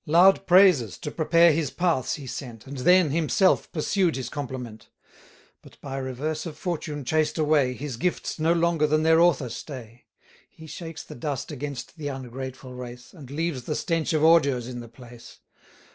Loud praises to prepare his paths he sent, And then himself pursued his compliment; But by reverse of fortune chased away, 1160 His gifts no longer than their author stay: He shakes the dust against the ungrateful race, And leaves the stench of ordures in the place.